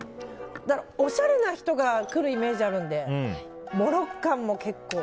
おしゃれな人が来るイメージがあるのでモロッカンも結構。